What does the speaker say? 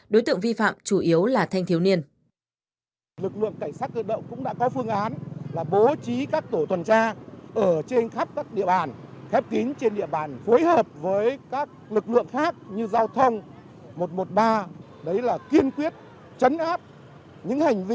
đối tượng vi phạm chủ yếu là thanh thiếu niên